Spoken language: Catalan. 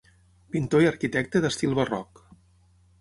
Pintor i arquitecte d'estil barroc.